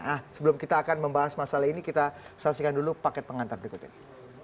nah sebelum kita akan membahas masalah ini kita saksikan dulu paket pengantar berikut ini